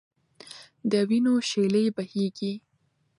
د وینو شېلې بهېږي.